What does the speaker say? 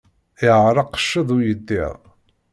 Yeɛṛeq cced uyeddid!